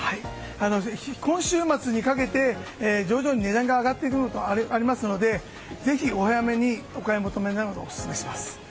今週末にかけて徐々に値段が上がっていくもの等ありますのでぜひお早めにお買い求めになることをお勧めします。